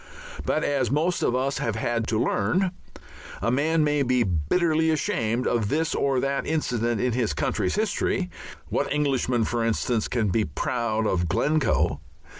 But as most of us have had to learn, a man may be bitterly ashamed of this or that incident in his country's history what Englishman, for instance, can be proud of Glencoe?